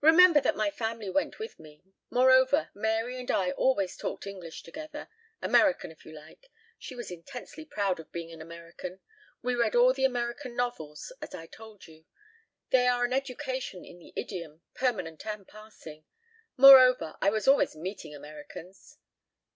"Remember that my family went with me. Moreover, Mary and I always talked English together American if you like. She was intensely proud of being an American. We read all the American novels, as I told you. They are an education in the idiom, permanent and passing. Moreover, I was always meeting Americans."